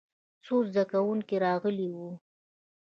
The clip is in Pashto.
څو زده کوونکي راغلي وو.